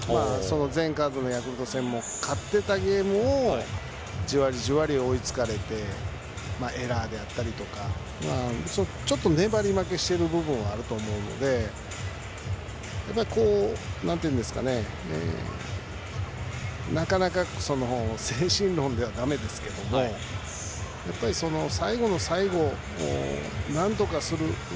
前カードのヤクルト戦も勝っていたゲームをじわりじわり追いつかれてエラーであったりとかちょっと粘り負けしている部分があると思うのでなかなか精神論ではだめですけども最後の最後、なんとかする。